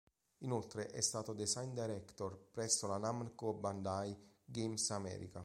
Inoltre è stato design director presso la Namco Bandai Games America.